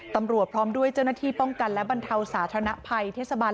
ตำรวจพร้อมด้วยเจ้าหน้าที่ป้องกันและบรรเทาสาธารณภัยเทศบาล